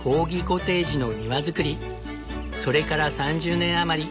それから３０年余り。